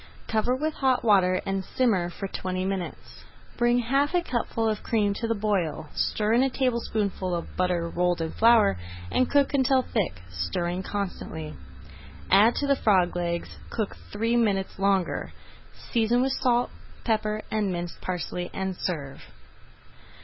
Cover with hot water and simmer for twenty minutes. Bring half a cupful of cream to the boil, stir in a tablespoonful of butter rolled in flour, and cook until thick, stirring constantly. Add to the frog legs, cook three minutes longer, season with salt, pepper, and minced parsley, and serve.